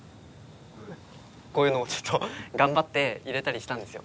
こういうのをちょっと頑張って入れたりしたんですよ。